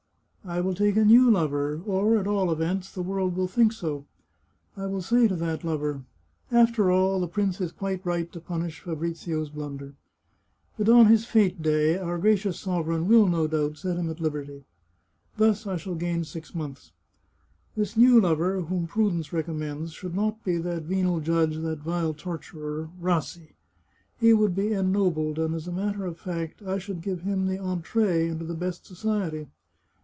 " I will take a new lover, or, at all events, the world will think so. I will say to that lover :* After all, the prince is quite right to punish Fabrizio's blunder. But on his fete day our gracious sovereign will, no doubt, set him at lib erty !' Thus I shall gain six months. This new lover, whom prudence recommends, should be that venal judge, that vile torturer, Rassi. He would be ennobled, and as a matter of fact, I should give him the entree into the best society.